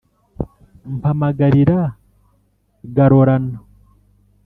mpamagarira garorano